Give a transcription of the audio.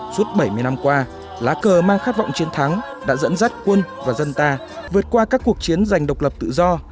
suốt bảy mươi năm qua lá cờ mang khát vọng chiến thắng đã dẫn dắt quân và dân ta vượt qua các cuộc chiến giành độc lập tự do